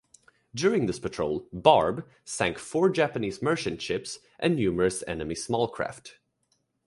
During this patrol, "Barb" sank four Japanese merchant ships and numerous enemy small craft.